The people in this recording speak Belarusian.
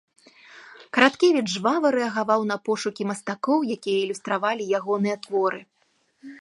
Караткевіч жвава рэагаваў на пошукі мастакоў, якія ілюстравалі ягоныя творы.